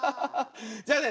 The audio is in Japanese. じゃあね